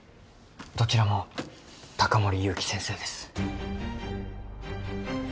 どちらも高森勇気先生です。